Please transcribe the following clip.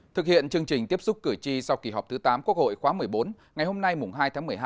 thực hiện chương trình tiếp xúc cử tri sau kỳ họp thứ tám quốc hội khóa một mươi bốn ngày hôm nay hai tháng một mươi hai